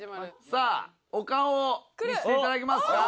さあお顔を見せていただけますか？